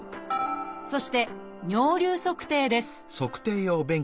そして「尿流測定」です